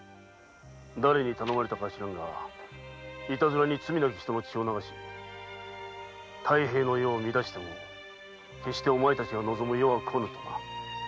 だれに頼まれたかは知らぬがいたずらに罪なき人の血を流し太平の世を乱しても決してお前たちの望む世は来ぬとな。